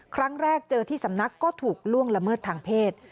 ครั้งแรกเจอที่สำนักก็ถูกล่วงละเมิดทางเพศ